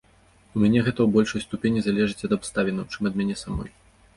У мяне гэта ў большай ступені залежыць ад абставінаў, чым ад мяне самой.